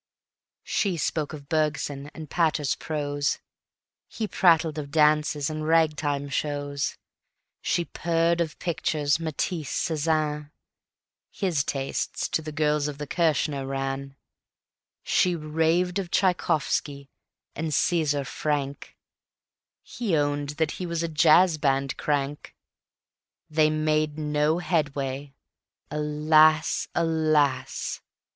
She spoke of Bergson and Pater's prose, He prattled of dances and ragtime shows; She purred of pictures, Matisse, Cezanne, His tastes to the girls of Kirchner ran; She raved of Tchaikovsky and Caesar Franck, He owned that he was a jazz band crank! They made no headway. Alas! alas!